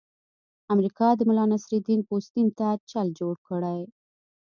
امریکا د ملانصرالدین پوستین ته چل جوړ کړی.